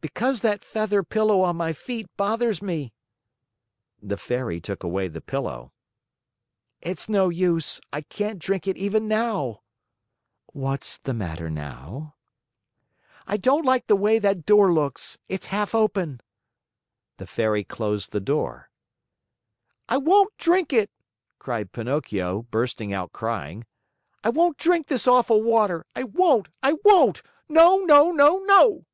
"Because that feather pillow on my feet bothers me." The Fairy took away the pillow. "It's no use. I can't drink it even now." "What's the matter now?" "I don't like the way that door looks. It's half open." The Fairy closed the door. "I won't drink it," cried Pinocchio, bursting out crying. "I won't drink this awful water. I won't. I won't! No, no, no, no!"